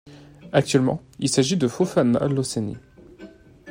Actuellement, il s'agit de Fofana Losseni.